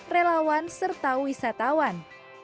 relawan serta wisatawan